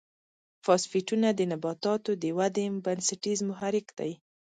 فاسفیټونه د نباتاتو د ودې بنسټیز محرک دی.